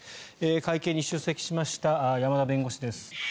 会見に出席しました山田弁護士です。